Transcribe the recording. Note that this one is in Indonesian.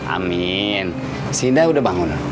amin sinda sudah bangun